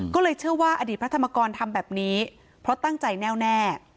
ก็เลยเชื่อว่าอดีตพระธรรมกรทำแบบนี้เพราะตั้งใจแน่วแน่